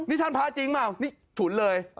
นี่ท่านพระจริงเปล่านี่ฉุนเลย